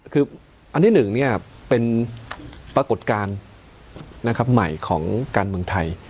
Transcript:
คืออันที่๑เป็นปรากฏการณ์ใหม่ของการเมืองไทย